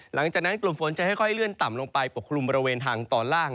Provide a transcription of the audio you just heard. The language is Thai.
หลังจากนั้นกลุ่มฝนจะค่อยเลื่อนต่ำลงไปปกคลุมบริเวณทางตอนล่าง